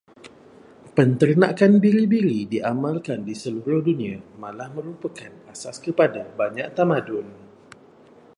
Penternakan biri-biri diamalkan di seluruh dunia, malah merupakan asas kepada banyak tamadun.